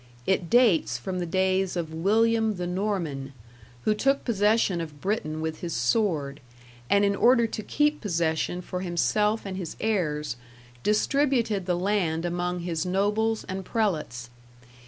It dates from the days of William the Norman, who took possession of Britain with his sword, and in order to keep possession for himself and his heirs, distributed the land among his nobles and prelates.